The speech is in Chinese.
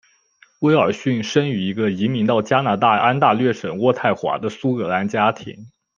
威尔逊生于一个移民到加拿大安大略省渥太华的苏格兰家庭。